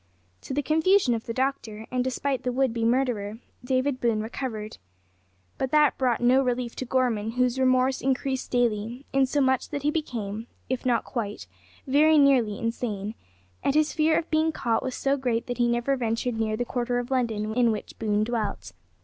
To the confusion of the doctor and despite the would be murderer, David Boone recovered. But that brought no relief to Gorman, whose remorse increased daily, insomuch that he became, if not quite, very nearly, insane, and his fear of being caught was so great that he never ventured near the quarter of London in which Boone dwelt.